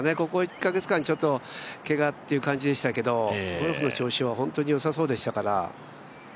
ここ１カ月間、けがっていう感じでしたけどゴルフの調子は本当に良さそうでしたから。